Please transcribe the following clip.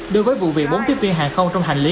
đối với vụ việc bốn tiếp viên hàng không trong hành lý